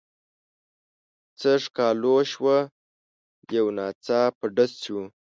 څه ښکالو شوه یو ناڅاپه ډز شو.